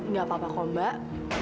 gak apa apa mbak